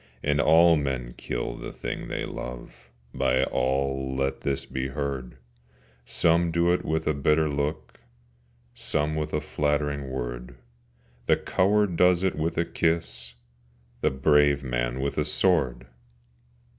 And all men kill the thing they love, By all let this be heard, Some do it with a bitter look, Some with a flattering word, The coward does it with a kiss, The brave man with a sword!